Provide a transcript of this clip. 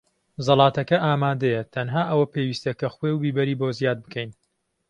زەڵاتەکە ئامادەیە. تەنها ئەوە پێویستە کە خوێ و بیبەری بۆ زیاد بکەین.